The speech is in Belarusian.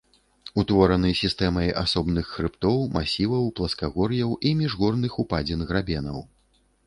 Утвораны сістэмай асобных хрыбтоў, масіваў, пласкагор'яў і міжгорных упадзін-грабенаў.